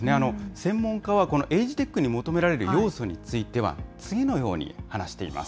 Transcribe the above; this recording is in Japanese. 専門家は、エイジテックに求められる要素については、次のように話しています。